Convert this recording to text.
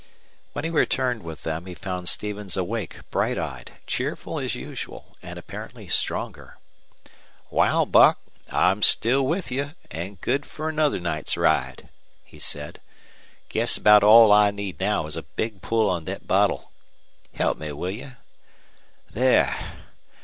When he returned with them he found Stevens awake, bright eyed, cheerful as usual, and apparently stronger. "Wal, Buck, I'm still with you an' good fer another night's ride," he said. "Guess about all I need now is a big pull on thet bottle. Help me, will you? There!